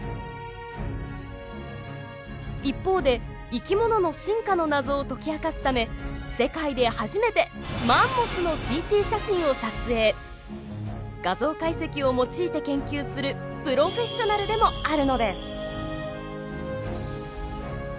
一方で生き物の進化の謎を解き明かすため世界で初めて画像解析を用いて研究するプロフェッショナルでもあるのです。